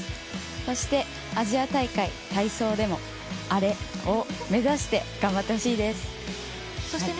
そして、アジア大会体操でもアレを目指して頑張ってほしいです。